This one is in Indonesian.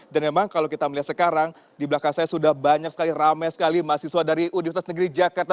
dan memang kalau kita melihat sekarang di belakang saya sudah banyak sekali rame sekali mahasiswa dari universitas negeri jakarta